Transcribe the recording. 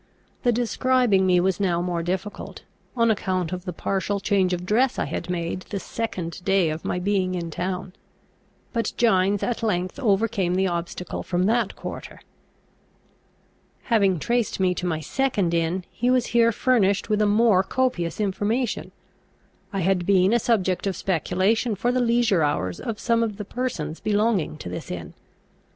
The describing me was now more difficult, on account of the partial change of dress I had made the second day of my being in town. But Gines at length overcame the obstacle from that quarter. Having traced me to my second inn, he was here furnished with a more copious information. I had been a subject of speculation for the leisure hours of some of the persons belonging to this inn.